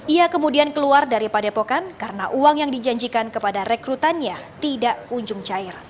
ia kemudian keluar dari padepokan karena uang yang dijanjikan kepada rekrutannya tidak kunjung cair